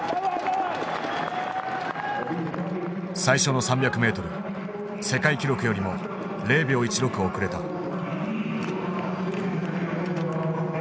最初の３００ｍ世界記録よりも０秒１６遅れた。